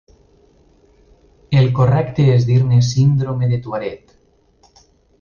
El correcte és dir-ne síndrome de Tourette.